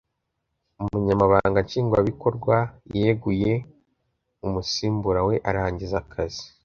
umunyamabanga nshingwabikorwa yeguye umusimbura we arangiza akazi